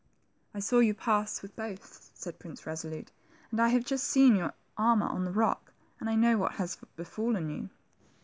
I saw you pass with both," said Prince Eesolute, and I have just seen your armor on the rock, and know what has befallen you."